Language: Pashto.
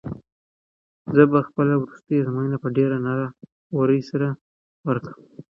زه به خپله وروستۍ ازموینه په ډېرې نره ورۍ سره ورکوم.